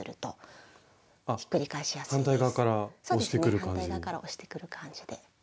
反対側から押してくる感じで。